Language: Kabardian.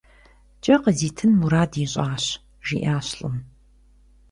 Кӏэ къызитын мурад ищӏащ, - жиӏащ лӏым.